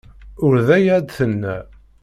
Ur d aya ay d-tenna.